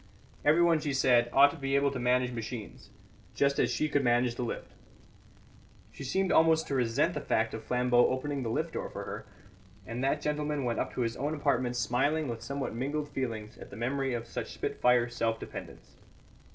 Everyone, she said, ought to be able to manage machines, just as she could manage the lift. She seemed almost to resent the fact of Flambeau opening the lift door for her; and that gentleman went up to his own apartments smiling with somewhat mingled feelings at the memory of such spit fire self dependence.